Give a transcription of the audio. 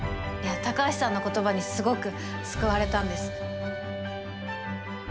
いや高橋さんの言葉にすごく救われたんです。